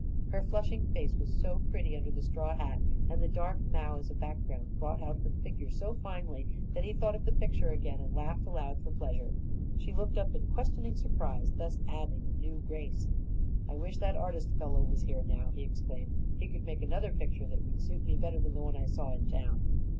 Her flushing face was so pretty under the straw hat, and the dark mow as a background brought out her figure so finely that he thought of the picture again and laughed aloud for pleasure. She looked up in questioning surprise, thus adding a new grace. "I wish that artist fellow was here now," he exclaimed. "He could make another picture that would suit me better than the one I saw in town."